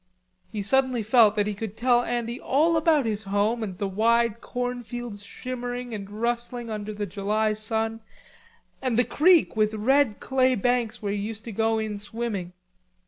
He suddenly felt that he could tell Andy all about his home and the wide corn fields shimmering and rustling under the July sun, and the creek with red clay banks where he used to go in swimming.